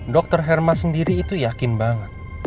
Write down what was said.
dokter herma sendiri itu yakin banget